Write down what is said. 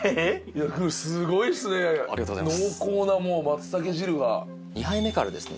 いやこれすごいっすねありがとうございます濃厚な松茸汁が２杯目からですね